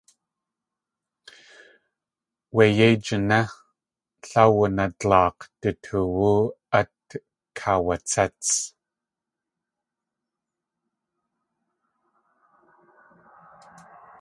Wé yéi jiné l awunadláak̲ du toowú at kaawatséts.